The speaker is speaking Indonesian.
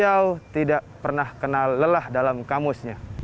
beliau tidak pernah kenal lelah dalam kamusnya